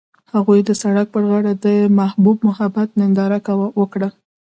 هغوی د سړک پر غاړه د محبوب محبت ننداره وکړه.